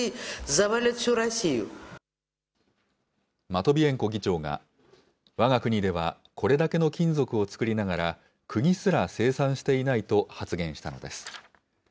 マトビエンコ議長が、わが国ではこれだけの金属を作りながら、くぎすら生産していないと発言したのです。